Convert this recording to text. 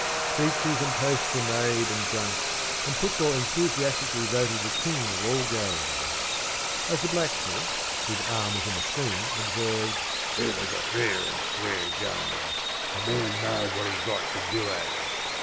Speeches and toasts were made and drunk, and football enthusiastically voted the king of all games. As the Blacksmith—whose arm was in a sling—observed, ‘It was a fair an' square game. A man know'd what he'd got to do at it.